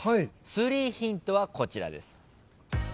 ３ヒントはこちらです。